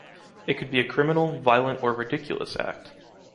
It could be a criminal, violent, or ridiculous act.